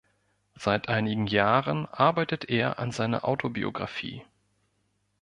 Seit einigen Jahren arbeitet er an seiner Autobiographie.